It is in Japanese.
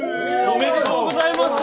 おめでとうございます。